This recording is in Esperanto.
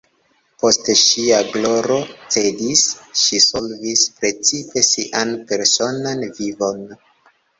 Poste ŝia gloro cedis, ŝi solvis precipe sian personan vivon.